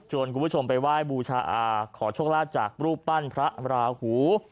ส่วนกลุ่มผู้ชมไปว่ายบูชาอาขอโชคลาภจากรูปปั้นพระมราฮู